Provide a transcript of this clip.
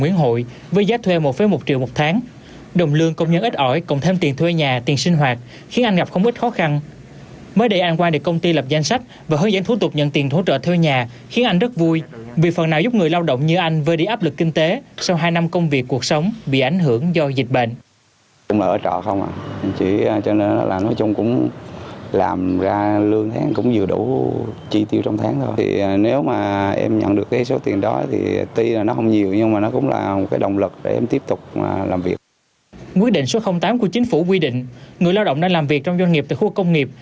quyết định số tám của chính phủ quy định người lao động đang làm việc trong doanh nghiệp tại khu công nghiệp